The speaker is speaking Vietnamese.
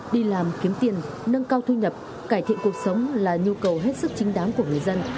đi làm kiếm tiền nâng cao thu nhập cải thiện cuộc sống là nhu cầu hết sức chính đáng của người dân